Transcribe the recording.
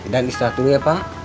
dan istirahat dulu ya pak